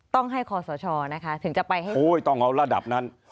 ต้องให้คอสชนะคะถึงจะไปให้ได้โอ้ยต้องเอาระดับนั้น